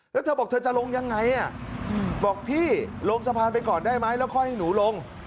แล้วเธอบอกเธอจะลงยังไงบอกพี่ลงสะพานไปก่อนได้ไหมแล้วค่อยให้หนูลง